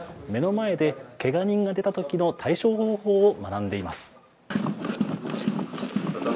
目の前でけが人が出た時の対処方法を学んでいます